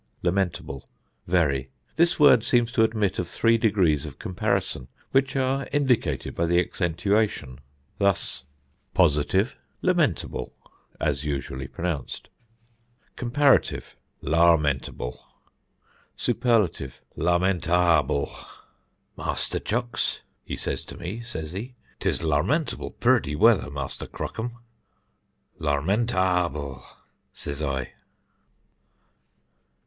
Lamentable (Very): This word seems to admit of three degrees of comparison, which are indicated by the accentuation, thus: [Sidenote: POSITIVE, COMPARATIVE, SUPERLATIVE] Positive Lamentable (as usually pronounced). Comparative Larmentable. Superlative Larmentȧȧble. "'Master Chucks,' he says to me says he, ''tis larmentable purty weather, Master Crockham.' 'Larmentȧȧble!' says I."